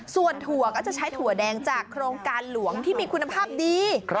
ส่วนถั่วก็จะใช้ถั่วแดงจากโครงการหลวงที่มีคุณภาพดี